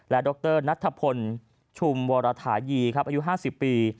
และดรนัทพลชุมวรถายีครับอายุ๕๐ปี